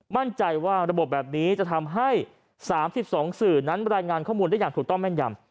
มั่นใจว่าระบบแบบนี้จะทำให้๓๒สื่อนั้นรายงานข้อมูลได้อย่างถูกต้องแม่นยำ